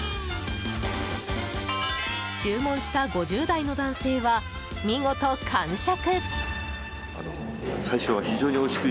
注文した５０代の男性は見事、完食。